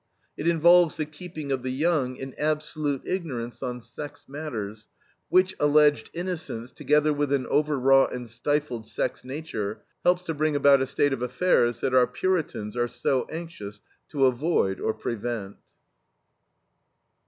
It involves the keeping of the young in absolute ignorance on sex matters, which alleged "innocence," together with an overwrought and stifled sex nature, helps to bring about a state of affairs that our Puritans are so anxious to avoid or prevent.